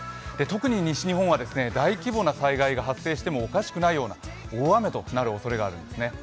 特に西日本は大規模な災害が発生してもおかしくないような大雨となるおそれがあるんですね。